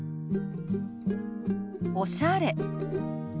「おしゃれ」。